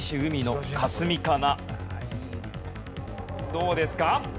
どうですか？